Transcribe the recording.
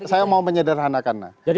saya mau menyederhanakan nah